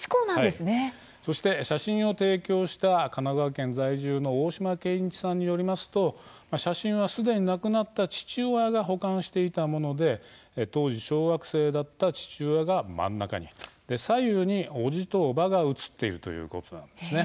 そして、写真を提供した神奈川県在住の大島健一さんによりますと写真は、すでに亡くなった父親が保管していたもので当時、小学生だった父親が真ん中に左右に、おじとおばが写っているということなんです。